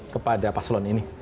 kepada paslon ini